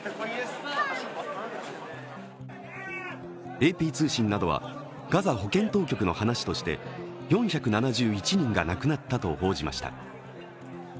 ＡＰ通信などはガザ保健当局の話として４７１人が亡くなったと報じました。